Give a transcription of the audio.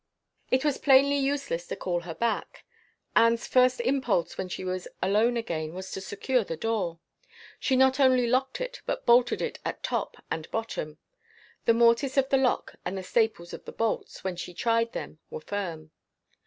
It was plainly useless to call her back. Anne's first impulse when she was alone again was to secure the door. She not only locked it, but bolted it at top and bottom. The mortise of the lock and the staples of the bolts, when she tried them, were firm.